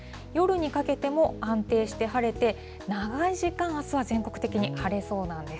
夜にかけても安定して晴れて、長い時間、あすは全国的に晴れそうなんです。